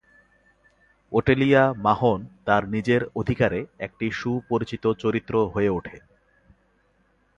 ওটেলিয়া মাহোন তার নিজের অধিকারে একটি সুপরিচিত চরিত্র হয়ে ওঠে।